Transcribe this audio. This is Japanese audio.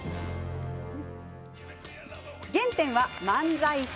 原点は漫才師。